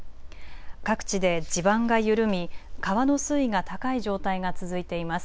各地で地盤が緩み、川の水位が高い状態が続いています。